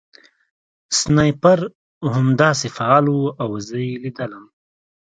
سنایپر همداسې فعال و او زه یې لیدلم